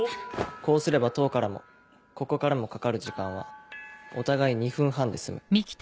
こうすれば塔からもここからもかかる時間はお互い２分半で済む。